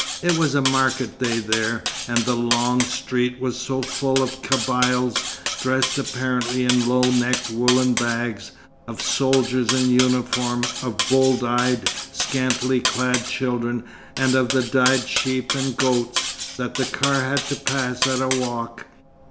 It was market day there, and the long street was so full of Kabyles dressed apparently in low necked woollen bags, of soldiers in uniform, of bold eyed, scantily clad children, and of dyed sheep and goats, that the car had to pass at a walk.